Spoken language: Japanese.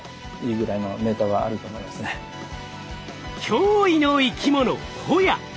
驚異の生き物ホヤ。